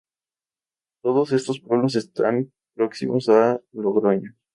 Todos estos pueblos están próximos a Logroño.